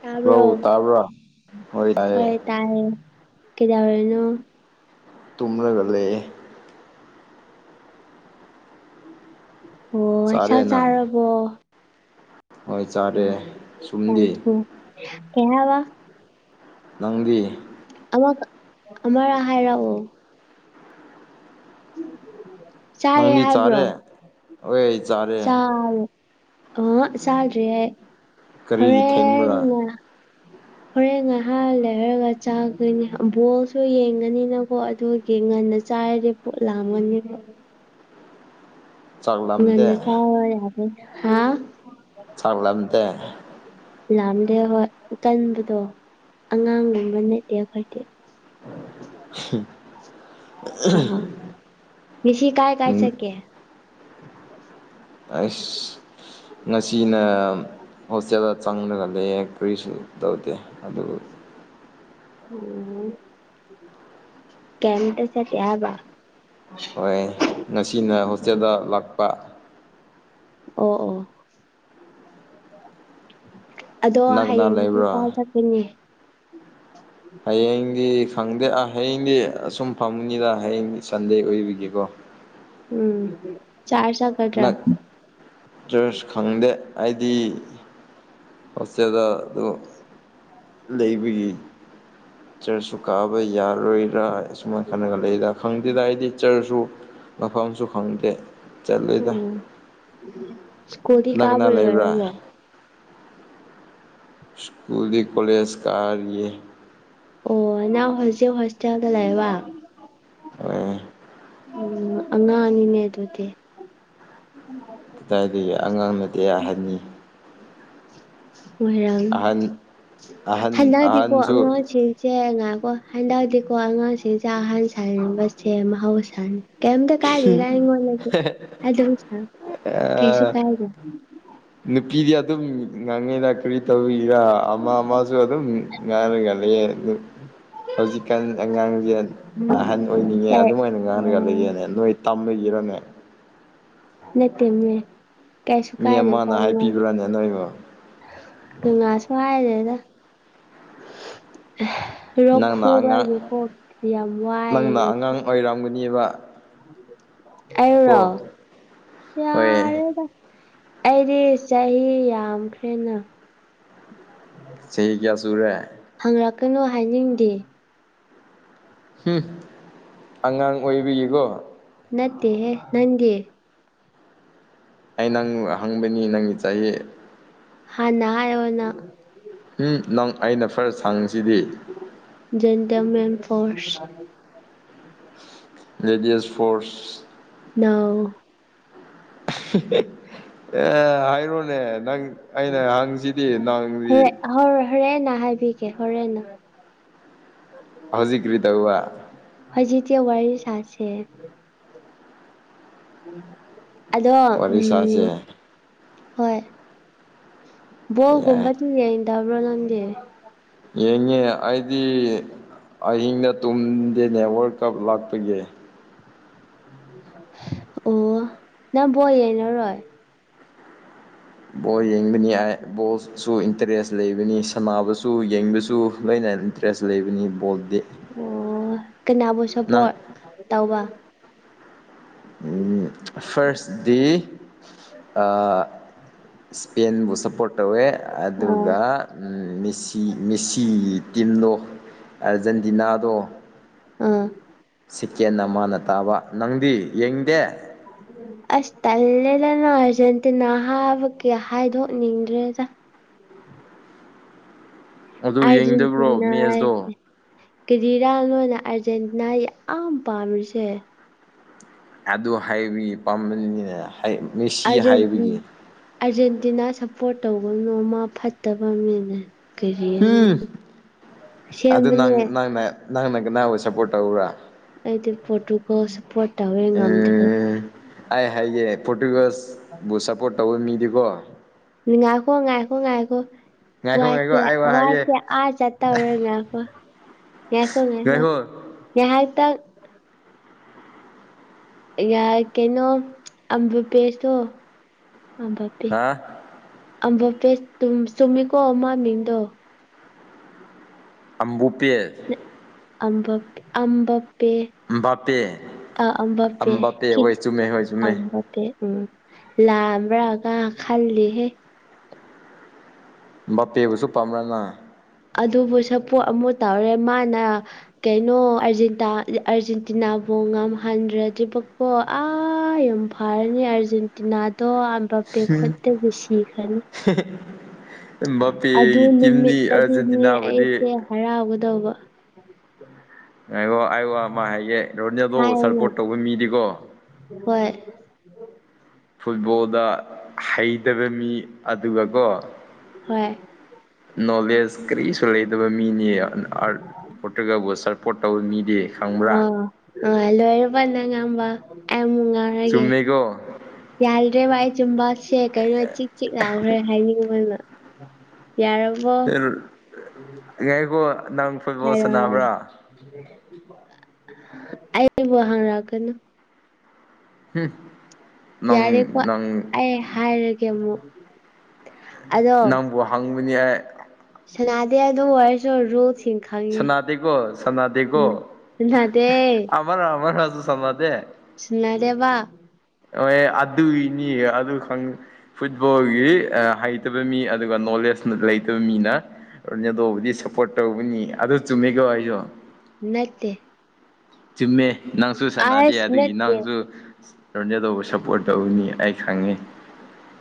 ꯇꯥꯕ꯭ꯔꯣ ꯍꯜꯂꯣ ꯇꯥꯕ꯭ꯔꯥ ꯍꯣꯏ ꯇꯥꯏ ꯀꯩꯗ ꯍꯔꯦꯅꯣ ꯇꯨꯝꯂꯒ ꯂꯩꯌꯦ ꯑꯣ ꯆꯥꯔꯦ ꯆꯥꯎ ꯅꯪ ꯆꯥꯔꯕꯣ ꯍꯣꯏ ꯆꯥꯔꯦ ꯑ ꯁꯣꯝꯗꯤ ꯌꯥꯝ ꯀꯌꯥ ꯑꯋꯥ ꯅꯪꯗꯤ ꯑꯃ ꯑꯃ ꯍꯥꯏꯔꯛꯑꯣ ꯆꯥꯔꯦ ꯅꯪꯗꯤ ꯍꯥꯏꯕ꯭ꯔꯣ ꯆꯥꯔꯦ ꯍꯣꯏ ꯆꯥꯔꯦ ꯆꯥꯔꯦ ꯑ ꯆꯜ꯭ꯔꯦ ꯀꯔꯤ ꯍꯣꯔꯦꯟ ꯊꯦꯡꯕ꯭ꯔꯥ ꯍꯣꯔꯦꯟ ꯉꯥꯏꯍꯥꯟ ꯂꯩꯔꯒ ꯆꯥꯒꯅꯤ ꯕꯣꯜꯁꯨ ꯌꯦꯡꯒꯅꯤꯅꯀꯣ ꯑꯗꯨ ꯌꯦꯡꯍꯟꯅꯁꯤ ꯆꯥꯏꯔꯦ ꯄꯣꯠ ꯂꯃꯅꯤ ꯆꯥꯛ ꯂꯥꯝꯗꯦ ꯉꯁ ꯌꯥꯔꯦ ꯍꯥ ꯆꯥꯛꯠꯂꯕꯇ ꯂꯥꯝꯗꯦ ꯍꯣꯏ ꯀꯟꯕꯗꯣ ꯑꯉꯥꯡꯒꯨꯝꯕ ꯅꯠꯇꯦ ꯑꯩꯈꯣꯏꯗꯤ [inaudible] ꯑ ꯃꯤꯁꯤ ꯀꯥꯏ ꯀꯥꯏ ꯎꯝ ꯆ ꯀꯦ ꯑꯁ ꯉꯁꯤꯅ ꯍꯣꯁꯇꯦꯜꯗ ꯆꯪꯉꯒ ꯂꯩ ꯀꯔꯤꯁꯨ ꯇꯧꯗꯦ ꯑꯗꯨ ꯎ ꯀꯝ ꯇ ꯆ ꯇꯕ ꯍꯣꯏ ꯉꯁꯤꯅ ꯍꯣꯁꯇꯦꯜꯗ ꯂꯥꯛꯄ ꯑꯣ ꯑꯣ ꯑꯗꯣ ꯀꯅꯥ ꯀꯅꯥ ꯍꯌꯦꯡꯗꯤ ꯂꯩꯕ꯭ꯔꯥ ꯀꯥꯏ ꯆꯠꯄꯅꯤ ꯍꯌꯦꯡꯗꯤ ꯈꯪꯗꯦ ꯍꯌꯦꯡꯗꯤ ꯑꯁꯨꯝ ꯐꯪꯅꯤꯗ ꯍꯌꯦꯡ ꯁꯟꯗꯦ ꯑꯣꯏꯕꯤꯒꯦꯀꯣ ꯎꯝ ꯆꯥ ꯆ ꯅꯛ ꯖꯨꯁ ꯈꯪꯗꯦ ꯑꯩꯗꯤ ꯍꯣꯁꯇꯦꯜꯗ ꯑꯗꯨꯝ ꯂꯩꯕꯒꯤ ꯎꯝ ꯆꯔꯁꯨ ꯀꯥꯕ ꯌꯥꯔꯣꯏꯔꯥ ꯑꯁꯨꯃꯥꯏꯅ ꯈꯟꯅꯒ ꯂꯩꯗ ꯈꯪꯗꯦꯗ ꯑꯩꯗꯤ ꯆꯔꯁꯨ ꯃꯐꯝꯁꯨ ꯈꯪꯗꯦ ꯆꯠꯂꯣꯏꯗ ꯎꯝ ꯁꯀꯣꯗꯤ ꯀꯅꯥ ꯀꯅꯥ ꯂꯩꯕ꯭ꯔꯥ ꯀꯥꯕꯨꯕꯕꯣ ꯏꯁ꯭ꯀꯨꯜꯒꯤ ꯀꯣꯂꯦꯖ ꯀꯔꯤꯌꯦ ꯑꯣ ꯅꯅꯥ ꯍꯧꯖꯤꯛ ꯍꯣꯁꯇꯦꯜꯗ ꯂꯑ ꯋꯥ ꯑ ꯎ ꯑꯉꯅꯤꯅꯦꯦ ꯑꯗꯨꯗꯗꯤꯦ ꯑꯗꯨꯗꯥꯏꯗꯨ ꯑꯉꯥꯡ ꯅꯠꯇꯦꯍꯟꯅꯤ ꯃꯣꯏꯔꯥꯡꯝ ꯑꯍꯟ ꯑꯍꯟ ꯍꯜꯂꯛꯑꯗꯤꯀꯣ ꯑꯍꯟꯁꯨ ꯑꯉꯁꯦ ꯏ ꯆꯦ ꯉꯥꯏꯀꯣ ꯍꯟꯗꯛꯇꯗꯤꯀꯣ ꯑꯉꯥꯡꯁꯤꯡ ꯆꯥꯛ ꯍꯟ ꯁꯕꯁꯦ ꯃꯍꯧꯁꯥꯅꯤ ꯀꯝ ꯇ ꯀꯥꯏꯗꯦ ꯀꯥꯏ ꯋꯥꯅꯦꯗ ꯁꯥ ꯀꯩꯁꯨ ꯀꯥꯏꯗꯦ ꯅꯨꯄꯤꯗꯤ ꯑꯗꯨꯝ ꯉꯥꯡꯉꯤꯗ ꯀꯔꯤ ꯇꯧꯕꯤꯔꯥ ꯑꯃ ꯑꯃꯁꯨ ꯑꯗꯨꯝ ꯉꯥꯏꯔꯒ ꯂꯩꯌꯦ ꯑꯗꯨꯝ ꯍꯧꯖꯤꯛꯀꯥꯟ ꯑꯉꯥꯡꯁꯦ ꯑꯍꯟ ꯑꯣꯏꯅꯤꯡꯉꯦ ꯑꯗꯨꯃꯥꯏꯅ ꯉꯥꯡꯔꯒ ꯎꯝ ꯂꯩꯌꯦꯅꯦ ꯇꯝꯃꯦ ꯏꯔꯅꯤ ꯅ ꯃꯃꯦ ꯀꯁꯨꯨ ꯃꯤ ꯀꯥꯏꯗꯦ ꯄ ꯑꯃꯅ ꯃ ꯍꯥꯏꯕꯤꯕ꯭ꯔꯥꯅꯦ ꯅꯣꯏꯕꯨ ꯉ ꯁꯍꯏꯗꯗ ꯔꯣꯛ ꯅꯪꯅ ꯈꯨꯨꯕ ꯑꯉꯥꯡ ꯍꯥꯏꯒꯤꯀꯣꯛꯗꯤ ꯌꯥꯝ ꯋꯥꯏꯑ ꯉꯁꯤ ꯑꯣꯏꯔꯝꯒꯅꯦꯕ ꯑꯔ ꯍꯣꯏ ꯆꯔꯦꯗ ꯑꯩꯗꯤ ꯆꯍꯤ ꯌꯥꯝꯈ꯭ꯔꯦꯅ ꯆꯍꯤ ꯀꯌꯥ ꯁꯨꯔꯦ ꯍꯪꯂꯔꯛꯀꯅꯨ ꯍꯥꯏꯅꯤꯡꯗꯦ ꯑꯉꯥꯡ ꯑꯣꯏꯕꯤꯌꯦꯀꯣ ꯅꯠꯇꯦ ꯅꯪꯒ ꯑꯩ ꯅꯪ ꯍꯪꯕꯅꯤ ꯅꯪꯒꯤ ꯆꯍꯤ ꯍꯥꯟꯅ ꯍꯥꯏꯣꯅ ꯎꯝ ꯅꯪ ꯑꯩꯅ ꯐꯔ ꯁꯪꯤꯁꯤꯗꯤ gentlemen force ladies force ꯅꯣ ꯍꯥꯏꯔꯣꯅꯦ ꯅꯪ ꯑꯩꯅ ꯍꯪꯁꯤꯗꯤ ꯅꯍꯪꯗꯤ ꯍꯔ ꯍꯔꯦꯅ ꯍꯥꯏꯕꯤ ꯀꯦ ꯍꯔꯦꯅ ꯍꯧꯖꯤꯛ ꯀꯔꯤ ꯇꯧꯕ ꯍꯧꯖꯤ ꯇ ꯋꯥꯔꯤ ꯁꯥꯁ ꯑꯗꯣ ꯋꯥꯔꯤ ꯁꯥꯁꯦ ꯎꯝ ꯍꯣꯏ ꯌꯥꯏ ꯒꯣꯜꯒꯨꯝꯕ ꯇꯤꯟ ꯌꯦꯟ ꯇꯕ꯭ꯔꯣ ꯅꯪꯗꯤ ꯌꯦꯡꯉꯦ ꯑꯩꯗꯤ ꯑꯍꯤꯡꯗ ꯇꯨꯝꯗꯦꯅꯦ ꯋꯥꯔꯜ ꯀꯞ ꯂꯥꯛꯄꯒꯤ ꯑꯣ ꯕꯣꯜ ꯌꯦꯡꯅꯔꯣꯏ ꯕꯣꯜ ꯌꯦꯡꯕꯅꯤ ꯕꯣꯜꯁꯨ ꯏꯟꯇꯔꯦꯁ ꯂꯩꯕꯅꯤ ꯁꯥꯟꯅꯕꯁꯨ ꯌꯦꯡꯕꯁꯨ ꯂꯣꯏꯅ ꯏꯟꯇꯔꯦꯁ ꯂꯩꯕꯅꯤ ꯕꯣꯜꯗꯤ ꯅꯪ ꯇꯥꯎꯕ ꯎꯝ ꯐꯥꯔꯁ ꯗꯗꯤ ꯏꯁꯄꯦꯟꯕꯨ ꯁꯞꯄꯣꯔꯠ ꯇꯧꯋꯦ ꯑꯗꯨꯒ ꯑꯥ ꯁꯤ ꯃꯤꯁꯤ ꯇꯤꯝꯗꯣ ꯑꯥꯔꯖꯦꯟꯇꯤꯅꯥꯗꯣ ꯑꯥ ꯁꯤꯀꯦꯟꯅ ꯃꯥꯅ ꯇꯥꯕ ꯅꯪꯗꯤ ꯌꯦꯡꯗꯦ ꯑꯁ ꯇꯜꯂꯦꯗꯅ ꯑꯥꯔꯖꯦꯟꯇꯤꯅꯥ ꯍꯥꯕꯒꯤ ꯍꯥꯏꯗꯣꯛꯅꯤꯡꯗ꯭ꯔꯦꯗ ꯑꯗꯨ ꯌꯦꯡꯗꯕ꯭ꯔꯣ ꯑꯔꯖꯦꯟꯇꯤꯅꯥ ꯃꯦꯠꯁꯇꯣ ꯀꯦꯔꯤꯔꯥ ꯅꯣꯏꯅ ꯑꯥꯔꯖꯦꯟꯇꯤꯅꯥ ꯌꯥꯝ ꯄꯥꯝꯃꯤꯁꯦ ꯑꯗꯨ ꯍꯥꯏꯕꯒꯤ ꯄꯥꯝꯕꯗꯨꯅꯤꯅꯦ ꯑꯔꯖꯦꯟꯇꯤꯅꯥ ꯑꯥꯔꯖꯦꯟꯇꯤꯅꯥ ꯁꯞꯄꯣꯔꯠ ꯇꯧꯕꯅꯣꯡꯃ ꯐꯠꯇꯕ ꯃꯤꯅꯦ ꯀꯔꯤ ꯍꯨꯝ ꯑꯗꯨ ꯁꯦꯝꯕꯅꯦ ꯅꯪ ꯅꯪ ꯅ ꯁꯄꯣꯔꯠ ꯇꯧꯕ꯭ꯔꯥ ꯑꯩꯗꯤ ꯄꯣꯠꯇꯨꯀꯣ ꯁꯞꯄꯣꯔꯠ ꯇꯧꯋꯦ ꯉꯝꯗ꯭ꯔꯦ ꯎꯝ ꯑꯩ ꯍꯥꯏꯒꯦ ꯄꯣꯔꯇꯨꯒꯁꯕꯨ ꯁꯞꯄꯣꯔꯠ ꯇꯧꯕ ꯃꯤꯗꯤꯀꯣ ꯅꯨꯡ ꯉꯥꯏꯈꯣ ꯉꯥꯏꯈꯣ ꯉꯥꯏꯈꯣ ꯉꯥꯏꯈꯣ ꯉꯥꯏꯈꯣ ꯋꯥꯁꯦ ꯑꯩ ꯋꯥ ꯍꯥꯏꯒꯦ ꯋꯥꯁꯦ ꯑ ꯆꯠꯇ ꯑꯣꯏꯔꯦꯕ ꯌꯥꯀꯣ ꯌꯥꯀꯣ ꯉꯥꯏꯈꯣ ꯌꯥ ꯍꯥꯏ ꯇ ꯌꯥ ꯀꯩꯅꯣ ꯑꯝꯕꯄꯦꯇꯣ ꯑꯝꯕ ꯄꯦ ꯍꯥ ꯑꯝꯕꯞ ꯄꯦꯁ ꯆꯨꯝꯃꯤꯀꯣ ꯃ ꯃꯤꯡꯗꯣ ꯑꯝꯕꯨꯄꯦꯠ ꯑꯝꯕ ꯑꯝꯕꯞꯄꯦ ꯕꯥꯄꯦ ꯑ ꯑꯝꯕꯄꯦ ꯕꯥꯄꯦ ꯍꯣꯏ ꯆꯨꯝꯃꯦ ꯍꯣꯏ ꯆꯨꯝꯃꯦ ꯑꯝꯕ ꯎꯝ ꯂꯥꯝꯕ꯭ꯔꯥꯒ ꯈꯜꯂꯤꯍꯦ ꯕꯥꯄꯦꯕꯁꯨ ꯄꯥꯝꯕꯅ ꯑꯗꯨꯕꯨ ꯁꯄꯣꯠ ꯑꯃꯨꯛ ꯇꯧꯔꯦ ꯃꯥꯅ ꯀꯩꯅꯣ ꯑꯔ ꯑꯥꯔꯖꯦꯟꯇꯤꯅꯥ ꯐꯧ ꯉꯝꯍꯟꯗ꯭ꯔꯗꯤꯕꯀꯣ ꯑ ꯌ ꯐꯥꯔꯅꯤ ꯑꯥꯔꯖꯦꯟꯇꯤꯅꯥꯗꯣ ꯄꯦ ꯈꯨꯠꯇꯒꯤ ꯁꯤꯈ꯭ꯔꯅꯤ ꯑꯗꯨ ꯃꯄꯦꯒꯤ ꯇꯤꯝꯅꯤ ꯅꯨꯃꯤꯠꯇꯗꯤꯅꯦ ꯑꯥꯔꯖꯦꯟꯇꯤꯅꯥꯕꯨꯗꯤ ꯑꯩꯁꯦ ꯍꯔꯥꯎꯒꯗꯧꯕ ꯉꯥꯏꯌꯣ ꯑꯩ ꯋꯥ ꯑꯃ ꯍꯥꯏ ꯒꯦ ꯔꯣꯟꯖꯗꯣ ꯍꯥꯏꯌꯨꯅ ꯁꯔꯄꯣꯔꯠ ꯇꯧꯕ ꯃꯤꯗꯤꯀꯣ ꯍꯣꯏ ꯐꯨꯠꯕꯣꯜꯗ ꯍꯩꯇꯕ ꯃꯤ ꯑꯗꯨꯒꯀꯣ ꯍꯣꯏ ꯅꯣꯂꯦꯖ ꯀꯔꯤꯁꯨ ꯂꯩꯇꯕ ꯃꯤꯅꯤ ꯑꯥꯔꯠ ꯄꯣꯔꯇꯨꯒꯜꯕꯨ ꯁꯔꯄꯣꯔꯠ ꯇꯧꯕ ꯃꯤꯗꯤ ꯈꯪꯕ꯭ꯔꯥ ꯑ ꯂꯣꯏꯔꯕ ꯅꯪ ꯉꯥꯡꯕ ꯑꯩ ꯑꯃꯨꯛ ꯉꯥꯡꯔꯒꯦ ꯆꯨꯝꯃꯦꯀꯣ ꯌꯥꯗ꯭ꯔꯦꯕ ꯑꯩ ꯆꯤꯟꯕꯥꯜꯁꯦ ꯀꯩꯅꯣ ꯆꯤꯛ ꯆꯤꯛ ꯂꯥꯎꯈ꯭ꯔꯦ ꯍꯥꯏꯅꯤꯡꯕꯅ ꯌꯥꯔꯕꯣ ꯍꯦ ꯉꯥꯏꯈꯣ ꯅꯪ ꯐꯨꯠꯕꯣꯜ ꯍꯥꯏꯔꯣ ꯍꯥꯏꯔꯣ ꯁꯥꯟꯅꯕ꯭ꯔꯥ ꯑꯩꯕꯨ ꯍꯪꯔꯛꯀꯅꯨ ꯍꯨꯝ ꯌꯥꯔꯦꯀꯣ ꯑꯩ ꯍꯥꯏꯔꯒꯦ ꯑꯃꯨꯛ ꯑꯗꯣ ꯅꯪꯕꯨ ꯍꯪꯕꯅꯤ ꯑꯩ ꯁꯅꯥꯗꯦ ꯑꯗꯣ ꯑꯣꯏꯔꯁꯨ ꯔꯨꯜ ꯊꯤꯡ ꯁꯅꯥꯗꯦꯀꯣ ꯁꯅꯥꯗꯦꯀꯣ ꯁꯅꯥꯗꯦ ꯑꯃꯒ ꯑꯃꯒꯁꯨ ꯁꯅꯥꯗꯦ ꯁꯅꯥꯗꯦꯕ ꯍꯣꯏꯍꯦ ꯑꯗꯨꯏꯅꯤ ꯑꯗꯨ ꯈꯪ ꯐꯨꯠꯕꯣꯜꯒꯤ ꯍꯩꯇꯕ ꯃꯤ ꯑꯗꯨꯒ ꯅꯣꯂꯦꯖ ꯂꯩꯇꯕ ꯃꯤꯅ ꯔꯣꯅꯦꯜꯗꯣꯕꯨꯗꯤ ꯁꯞꯄꯣꯔꯠ ꯇꯧꯕꯅꯤ ꯑꯗꯨ ꯆꯨꯝꯃꯤꯀꯣ ꯑꯩꯖꯨ ꯅꯠꯇꯦ ꯆꯨꯝꯃꯦ ꯅꯪꯁꯨ ꯁꯅꯥꯗꯦ ꯑꯁ ꯑꯗꯨꯒꯤ ꯅꯠꯇꯦ ꯅꯪꯁꯨ ꯔꯣꯅꯦꯜꯗꯣꯕꯨ ꯁꯞꯄꯣꯔꯠ ꯇꯧꯅꯤ ꯑꯩ ꯈꯪꯉꯤ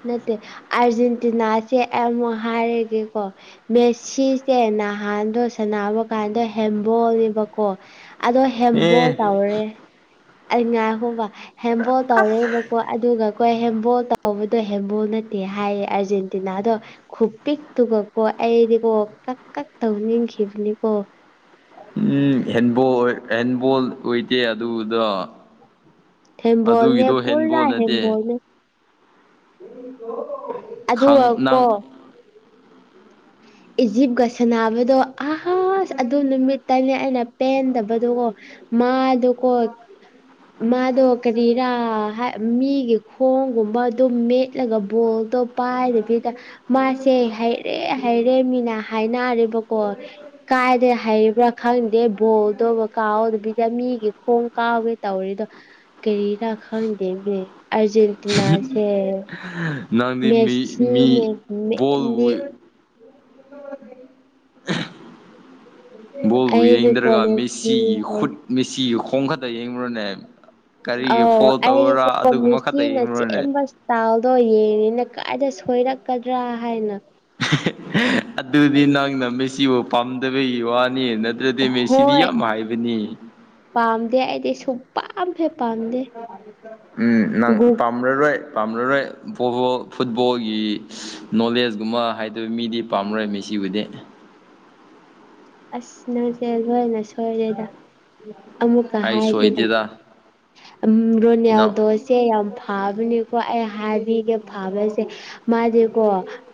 ꯅꯠꯇꯦ ꯑꯥꯔꯖꯦꯟꯇꯤꯅꯥꯁꯦ ꯑꯩꯃꯨꯛ ꯍꯥꯏꯔꯒꯦꯀꯣ ꯃꯦꯁꯤꯁꯦ ꯅꯍꯥꯟꯗꯣ ꯁꯥꯟꯅꯕꯥꯀꯥꯟꯗ ꯍꯦꯝꯕꯣꯜꯅꯦꯕꯀꯣ ꯑꯗꯣ ꯍꯦꯝꯕꯣꯜ ꯑꯦ ꯇꯧꯔꯦ ꯑꯩ ꯉꯥꯏ ꯈꯣꯕ ꯍꯦꯝꯕꯣꯜ ꯇꯧꯔꯦꯕꯀꯣ ꯑꯗꯨꯒ ꯀꯣ ꯍꯦꯝꯕꯣꯜ ꯇꯧꯕ ꯗꯣ ꯍꯦꯝꯕꯣꯜ ꯅꯠꯇꯦ ꯍꯥꯏꯌꯦ ꯑꯥꯔꯖꯦꯟꯇꯤꯅꯥꯗꯣ ꯈꯨꯄꯤꯛꯇꯨꯒꯀꯣ ꯑꯩꯗꯤꯀꯣ ꯀꯛ ꯀꯛ ꯇꯧꯅꯤꯡꯈꯤꯕꯅꯦꯀꯣ ꯎꯝ ꯍꯦꯟꯕꯣꯜ ꯍꯦꯟꯕꯣꯜ ꯑꯣꯏꯗꯦ ꯑꯗꯨꯗꯣ ꯊꯦꯜꯕꯣꯟꯅꯦ ꯑꯗꯨꯒꯤꯗꯣ ꯄꯨꯔꯥ ꯍꯦꯟꯕꯣꯜ ꯅꯠꯇꯦ ꯍꯦꯜꯕꯣꯜꯅꯦ ꯈꯪ ꯅꯪ ꯑꯗꯨꯒꯀꯣ ꯎꯝ ꯏꯖꯤꯞꯀ ꯁꯅꯥꯕꯗꯣ ꯑꯥꯁ ꯑꯗꯨ ꯅꯨꯃꯤꯠꯇꯅꯦ ꯑꯩꯅ ꯄꯦꯟꯗꯕꯗꯣꯀꯣ ꯃꯥꯗꯣꯀꯣ ꯃꯥꯗꯣ ꯀꯔꯤꯔꯥ ꯃꯤꯒꯤ ꯈꯣꯡꯒꯨꯝꯕꯗꯣ ꯑꯗꯨꯝ ꯃꯦꯠꯂꯒ ꯕꯣꯜꯗꯣ ꯄꯥꯏꯗꯕꯤꯗ ꯃꯥꯁꯦ ꯍꯩꯔꯦ ꯍꯩꯔꯦ ꯃꯤꯅ ꯍꯥꯏꯅꯔꯦꯕꯀꯣ ꯀꯥꯏꯗꯩ ꯍꯩꯕ꯭ꯔꯥ ꯈꯪꯗꯦ ꯕꯣꯜꯗꯣ ꯀꯥꯎꯗꯕꯤꯗ ꯃꯤꯒꯤ ꯈꯣꯡ ꯀꯥꯎꯋꯦ ꯇꯧꯔꯤꯗꯣ ꯀꯔꯤꯔꯥ ꯈꯪꯗꯦꯅꯦ ꯑꯥꯔꯖꯦꯟꯇꯤꯅꯥꯁꯦ ꯅꯪ ꯃꯦꯁꯤꯅꯤꯅꯦ ꯃꯦꯟꯗꯤ ꯕꯣꯜꯕꯨ ꯑꯩꯗꯤꯀꯣ ꯌꯦꯡꯗ꯭ꯔꯒ ꯃꯦꯁꯤ ꯃꯦꯁꯤꯒꯤ ꯍꯥꯏ ꯈꯨꯠ ꯃꯦꯁꯤꯒꯤ ꯈꯣꯡ ꯈꯇ ꯌꯦꯡꯕ꯭ꯔꯅꯦ ꯑꯧ ꯑꯩꯗꯤꯀꯣ ꯑꯗꯨꯒꯨꯝꯕ ꯈꯛꯇ ꯃꯦꯁꯤꯅ ꯌꯦꯡꯕ꯭ꯔꯣꯅꯦ ꯆꯦꯟꯕ ꯇꯥꯎꯗꯣ ꯌꯦꯡꯉꯤꯅꯦ ꯀꯥꯏꯗ ꯁꯣꯏꯔꯛꯀꯗ꯭ꯔꯥ ꯍꯥꯏꯅ ꯍꯦꯍꯦ [unintelligible] ꯑꯗꯨꯗꯤ ꯅꯪꯅ ꯃꯦꯁꯤꯕꯨ ꯄꯥꯝꯗꯕꯒꯤ ꯋꯥꯅꯤ ꯅꯠꯇ꯭ꯔꯗꯤ ꯃꯦꯁꯤꯗꯤ ꯍꯣꯏ ꯌꯥꯝ ꯍꯩꯕꯅꯤ ꯄꯥꯝꯗꯦ ꯑꯩꯗꯤ ꯁꯨꯛꯄꯥꯝ ꯍꯦꯛ ꯄꯥꯝꯗꯦ ꯎꯝ ꯅꯪ ꯒꯨꯛ ꯄꯥꯝꯂꯔꯣꯏ ꯄꯥꯝꯂꯔꯣꯏꯕ ꯐꯨꯠꯕꯣꯜꯒꯤ ꯅꯣꯂꯦꯖꯀꯨꯝꯕ ꯍꯥꯏꯗꯋ ꯃꯤꯗꯤ ꯄꯥꯝꯔꯣꯏ ꯃꯤꯁꯤꯕꯨꯗꯤ ꯑꯁ ꯅꯁꯦ ꯂꯣꯏꯅ ꯁꯣꯏꯔꯦꯗ ꯑꯃꯨꯛꯀ ꯑꯩ ꯍꯥꯏꯒꯦꯗ ꯁꯣꯏꯗꯦꯗ ꯅꯪ ꯔꯣꯅꯤꯌꯥꯗꯣꯁ ꯁꯦ ꯌꯥꯝ ꯐꯥꯕꯅꯤꯀꯣ ꯑꯩ ꯍꯥꯏꯕꯤꯒꯦ ꯐꯥꯕꯁꯦ ꯃꯥꯗꯤꯀꯣ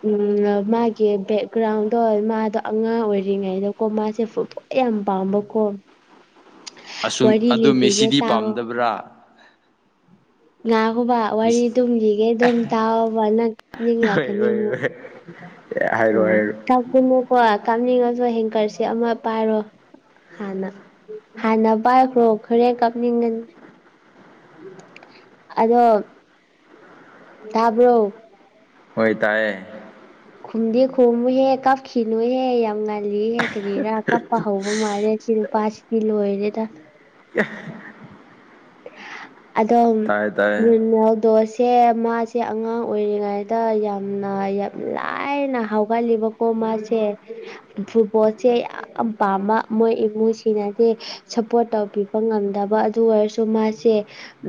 ꯎꯝ ꯃꯥꯒꯤ ꯕꯦꯛꯒ꯭ꯔꯥꯎꯟꯗꯣ ꯃꯥꯗꯣ ꯑꯉꯥꯡ ꯑꯣꯏꯔꯤꯉꯩꯗ ꯀꯣ ꯃꯥꯁꯦ ꯌꯥꯝ ꯄꯥꯝꯕꯀꯣ ꯑꯁ ꯋꯥꯔꯤ ꯑꯗꯨ ꯂꯤꯕꯤꯒꯦ ꯃꯁꯤꯗꯤ ꯇꯥꯎꯋꯣ ꯄꯥꯝꯗꯕ꯭ꯔꯥ ꯉꯥꯈꯣꯕ ꯋꯥꯔꯤ ꯃꯦꯁꯤ ꯗꯨꯝ ꯂꯤꯒꯦ ꯑꯗꯨꯝ ꯇꯥꯋꯣꯕ ꯅꯪ [inaudible] ꯅꯤꯡꯂꯛꯀꯅꯤ ꯑꯃꯨꯛ ꯑꯦ ꯍꯥꯏꯔꯣ ꯍꯥꯏꯔꯣ [unintelligible] ꯃꯨꯀꯣ ꯀꯞꯅꯤꯡꯉꯁꯨ ꯍꯦꯡꯀꯔꯁꯦ ꯑꯃ ꯄꯥꯏꯔꯣ ꯍꯥꯟꯅ ꯍꯥꯟꯅ ꯄꯥꯏꯈ꯭ꯔꯣ ꯈꯔꯦꯟ ꯀꯥꯞꯅꯤꯡꯉ ꯑꯗꯣ ꯇꯕ꯭ꯔꯣ ꯍꯣꯏ ꯇꯥꯌꯦ ꯈꯨꯝꯗꯤ ꯈꯨꯃꯨꯍꯦ ꯀꯥꯞꯈꯤꯅꯨꯍꯦ ꯌꯥꯝ ꯉꯜꯂꯤꯍꯦ ꯀꯔꯤꯔꯥ ꯀꯞꯄ ꯍꯧꯕ ꯃꯥꯜꯂꯦ ꯁꯤ ꯅꯨꯄꯥꯁꯤꯗꯤ ꯂꯣꯏꯔꯦꯗ ꯌꯥ ꯑꯗꯣꯝ ꯇꯥꯏ ꯇꯥꯏ ꯔꯨꯅꯥꯜꯗꯣꯁꯤ ꯁꯦ ꯃꯥꯁꯦ ꯑꯉꯥꯡ ꯑꯣꯏꯔꯤꯉꯩꯗ ꯌꯥꯝꯅ ꯌꯥꯝ ꯂꯥꯏꯔꯅ ꯍꯧꯎꯒꯠꯂꯤꯕ ꯀꯣ ꯃꯥꯁꯦ ꯐꯨꯠꯕꯣꯜꯁꯦ ꯌꯥꯝ ꯄꯥꯝꯕ ꯃꯣꯏ ꯏꯃꯨꯡꯁꯤꯡꯅꯗꯤ ꯁꯞꯄꯣꯔꯠ ꯇꯧꯕꯤꯕ ꯉꯝꯗꯕ ꯑꯗꯨ ꯑꯣꯏꯔꯁꯨ ꯃꯥꯁꯦ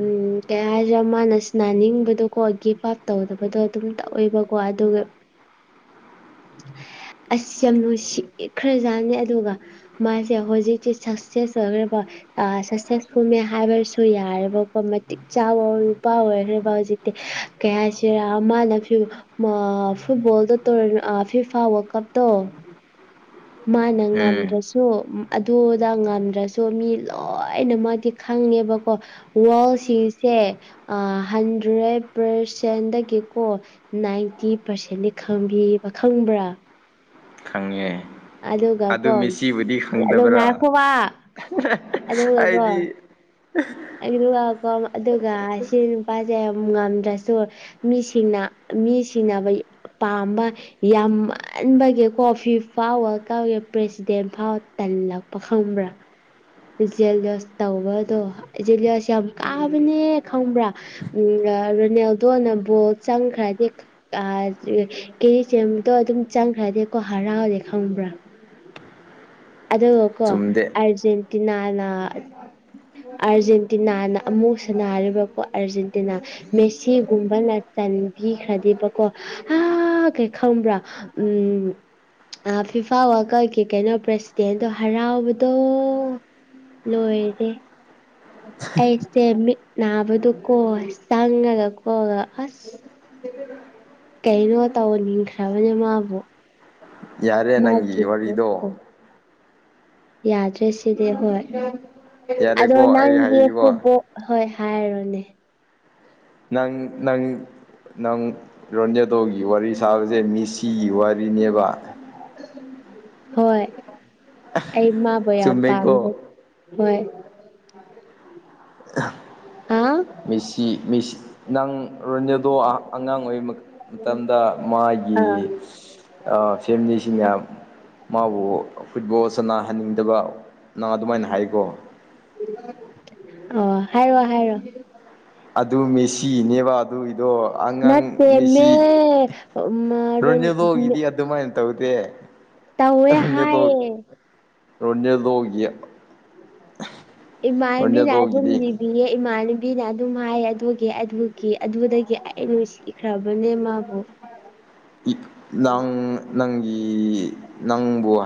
ꯎꯝ ꯀꯩ ꯍꯥꯏꯁꯤꯔ ꯃꯥꯅ ꯁꯅꯥꯅꯤꯡꯕꯗꯣꯀꯣ ꯒꯤꯐ ꯑꯞ ꯇꯧꯗꯕꯗꯣ ꯑꯗꯨꯝ ꯇꯧꯋꯦꯕꯀꯣ ꯑꯗꯨꯒ ꯑꯁ ꯌꯥꯝ ꯅꯨꯡꯁꯤ ꯈꯔꯖꯥꯠꯅꯦ ꯑꯗꯨꯒ ꯃꯥꯁꯦ ꯍꯧꯖꯤꯛꯇꯤ ꯁꯛꯁꯦꯁ ꯑꯣꯏꯈ꯭ꯔꯦꯀꯣ ꯁꯛꯁꯦꯁꯐꯨꯜꯅꯦ ꯍꯥꯏꯕꯁꯨ ꯌꯥꯔꯦꯕꯀꯣ ꯃꯇꯤꯛ ꯆꯥꯕ ꯅꯨꯄꯥ ꯑꯣꯏꯈ꯭ꯔꯦꯕ ꯍꯧꯖꯤꯛꯇꯤ ꯀꯩ ꯍꯥꯏꯁꯤꯔꯥ ꯃꯥꯅ ꯐꯨꯠꯕꯣꯜꯗ ꯇ ꯑ ꯐꯤꯐꯥ ꯋ ꯀꯞꯇꯣ ꯃꯥꯅ ꯎꯝ ꯉꯝꯗ꯭ꯔꯁꯨ ꯑꯗꯨꯗ ꯉꯝꯗ꯭ꯔꯁꯨ ꯃꯤ ꯂꯣꯏꯅ ꯃꯥꯒꯤ ꯈꯪꯉꯦꯕꯀꯣ ꯋꯥꯔꯜꯁꯤꯡꯁꯦ ꯑ ꯍꯟꯗ꯭ꯔꯦꯠ ꯄꯥꯔꯁꯦꯟꯗꯒꯤꯀꯣ ꯅꯥꯏꯟꯇꯤ ꯄꯥꯔꯁꯦꯟꯗꯤ ꯈꯪꯕꯤꯌꯦꯕ ꯈꯪꯕ꯭ꯔꯥ ꯈꯪꯉꯦ ꯑꯗꯨꯒ ꯑꯗꯨ ꯀꯣ ꯃꯦꯁꯤꯕꯨꯗꯤ ꯑꯗꯣ ꯈꯪꯗꯕ꯭ꯔꯥ ꯉꯥꯏꯈꯣꯕ ꯑꯩꯗꯤ ꯑꯩꯀꯣ ꯑꯗꯨꯒ ꯁꯤ ꯅꯨꯄꯥꯁꯦ ꯌꯥꯝ ꯉꯝꯗ꯭ꯔꯁꯨ ꯃꯤꯁꯤꯡꯅ ꯃꯤ ꯁꯤꯅꯕ ꯄꯥꯝꯕ ꯌꯥꯝꯃꯟꯕꯒꯤꯀꯣ ꯐꯤ ꯐꯥ ꯋꯜ ꯀꯞꯀꯤ ꯄ꯭ꯔꯦꯁꯤꯗꯦꯟ ꯐꯥꯎ ꯇꯜꯂꯛꯄ ꯈꯪꯕ꯭ꯔꯥ ꯖꯂꯤꯌꯣꯁ ꯇꯧꯕꯗꯣ ꯖꯦꯂꯤꯌꯣꯁ ꯌꯥꯝ ꯀꯥꯕꯅꯦ ꯈꯪꯕ꯭ꯔꯥ ꯎꯝ ꯔꯣꯅꯦꯜꯗꯣ ꯅꯕꯣꯜ ꯆꯪꯈ꯭ꯔꯗꯤ ꯀꯦꯖꯤ ꯆꯦꯟꯕꯗꯣ ꯑꯗꯨꯝ ꯆꯪꯈ꯭ꯔꯗꯤꯀꯣ ꯍꯔꯥꯎꯗꯦ ꯈꯪꯕ꯭ꯔꯥ ꯑꯗꯨꯒ ꯀꯣ ꯆꯨꯝꯗꯦ ꯑꯔꯖꯦꯟꯇꯤꯅꯥꯅ ꯑꯥꯔꯖꯦꯟꯇꯤꯅꯥꯅ ꯑꯃꯨꯛ ꯁꯟꯅꯔꯦꯕꯀꯣ ꯑꯥꯔꯖꯦꯟꯇꯤꯅꯥ ꯃꯦꯁꯤꯒꯨꯝꯕꯅ ꯆꯟꯕꯤꯈ꯭ꯔꯗꯤꯕꯀꯣ ꯍꯥꯒꯦ ꯈꯝꯕ꯭ꯔꯥ ꯎꯝ ꯐꯤꯐꯥ ꯋꯥꯀꯛꯀꯤ ꯀꯩꯅꯣ ꯄ꯭ꯔꯁꯤꯗꯦꯟꯗꯣ ꯍꯔꯥꯎꯕꯗꯣ ꯂꯣꯏꯔꯦ ꯑꯩꯁꯦ ꯃꯤꯠ ꯅꯥꯕꯗꯨ ꯀꯣ ꯆꯪꯉꯒ ꯀꯣ ꯑꯁ ꯀꯩꯅꯣ ꯇꯧꯅꯤꯡꯈ꯭ꯔꯕꯅꯦ ꯃꯥꯕꯨ ꯌꯥꯔꯦ ꯃꯥꯒꯤ ꯅꯪꯒꯤ ꯋꯥꯔꯤꯗꯣ ꯈꯨꯠꯇꯣ ꯌꯥꯗ꯭ꯔꯦ ꯁꯤꯗꯤ ꯍꯣꯏ ꯑꯗꯣ ꯌꯥꯔꯦꯀꯣ ꯑꯩ ꯅꯪꯁꯦ ꯍꯥꯏꯒꯦꯀꯣ ꯐꯨꯠꯕꯣ ꯍꯣꯏ ꯍꯥꯏꯔꯣꯅꯦ ꯅꯪ ꯅꯪ ꯅꯪ ꯔꯣꯅꯦꯗꯣꯒꯤ ꯋꯥꯔꯤ ꯁꯥꯕꯁꯦ ꯃꯤꯁꯤꯒꯤ ꯋꯥꯔꯤꯅꯦꯕ ꯍꯣꯏ ꯑꯩ ꯃꯥꯕꯨ ꯌꯥꯝ ꯄꯥꯝ ꯆꯨꯝꯃꯦꯀꯣ [unintelligible] ꯍꯣꯏ ꯍꯥ ꯃꯦꯁꯤ ꯃꯤꯁ ꯅꯪ ꯔꯣꯅꯦꯗꯣ ꯑꯉꯥꯡ ꯑꯣꯏ ꯃꯇꯝꯗ ꯃꯥꯒꯤ ꯑꯥ ꯐꯦꯃꯤꯂꯤꯁꯤꯡꯅ ꯃꯥꯕꯨ ꯐꯨꯠꯕꯣꯜ ꯆꯅꯍꯟꯅꯤꯡꯗꯕꯅ ꯑꯗꯨꯃꯥꯏꯅ ꯍꯥꯏꯀꯣ ꯑꯣ ꯍꯥꯏꯔꯣ ꯍꯥꯏꯔꯣ ꯑꯗꯨ ꯃꯦꯁꯤꯅꯦꯕ ꯑꯗꯨꯏꯗꯣ ꯍꯉꯥꯡ ꯅꯠꯇꯦ ꯃꯦꯁꯤ ꯃꯦ ꯔꯣꯅꯦꯗꯣꯒꯗꯤ ꯑ ꯑꯗꯨꯃꯥꯏꯅ ꯇꯧꯗꯦ ꯇꯧꯋꯦ ꯅꯦꯇꯣ ꯍꯥꯏꯌꯦ ꯔꯣꯅꯦꯗꯣꯒꯤ ꯏꯃꯥꯏꯕꯤꯅ ꯑꯗꯨꯝ ꯔꯣꯅꯦꯜꯗꯣꯒꯤꯗꯤ ꯅꯤꯕꯤ ꯑꯦ ꯏꯃꯥꯟꯅꯕꯤꯅ ꯑꯗꯨꯝ ꯍꯥꯏ ꯑꯗꯨꯒꯤ ꯑꯗꯨꯒꯤ ꯑꯗꯨꯗꯒꯤ ꯑꯩ ꯅꯨꯡꯁꯤꯈ꯭ꯔꯕꯅꯦ ꯃꯥꯕꯨ ꯅꯪ ꯅꯪꯒꯤ ꯅꯪꯕꯨ ꯍꯥꯏ